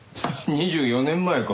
２４年前か。